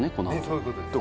そういうことです。